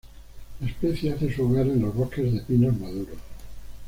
La especie hace su hogar en los bosques de pinos maduros.